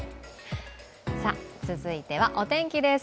続いてはお天気です。